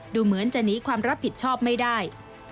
ดูเหมือนจะหนีความรับผิดชอบไม่ได้